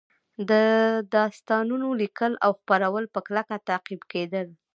د داستانونو لیکل او خپرول په کلکه تعقیب کېدل